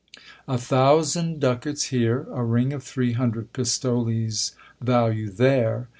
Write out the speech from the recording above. A thousand ducats here, a ring of three hundred pistoles' value there